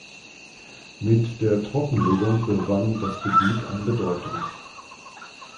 Mit der Trockenlegung gewann das Gebiet an Bedeutung.